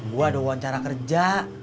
gua ada wawancara kerja